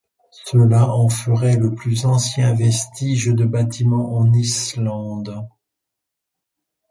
Cela en ferait le plus ancien vestige de bâtiment en Islande.